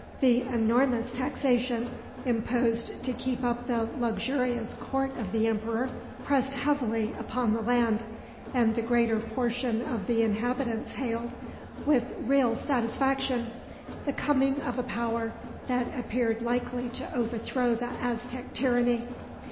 The enormous taxation, imposed to keep up the luxurious court of the emperor, pressed heavily upon the land; and the greater portion of the inhabitants hailed, with real satisfaction, the coming of a power that appeared likely to overthrow the Aztec tyranny.